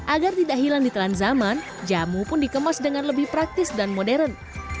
agar tidak hilang di telan zaman jamu pun dikemas dengan lebih praktis dan modern